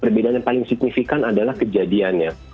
perbedaan yang paling signifikan adalah kejadiannya